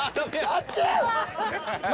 あっちぃ！